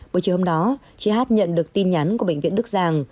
buổi chiều hôm đó chị hát nhận được tin nhắn của bệnh viện đức giang